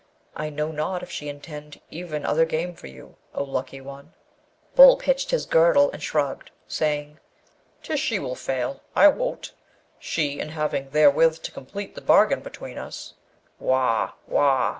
I know not if she intend even other game for you, O lucky one!' Boolp hitched his girdle and shrugged, saying, ''Tis she will fail, I wot, she, in having therewith to complete the bargain between us. Wa!